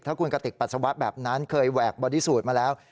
ถ้าคุณกติกปัสสาวะแบบนั้นเคยแหวกบอดี้สูตรมาแล้ว